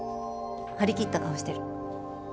張り切った顔してる。